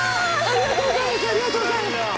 ありがとうございます。